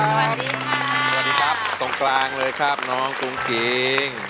สวัสดีครับตรงกลางเลยครับน้องกุ้งกิ้ง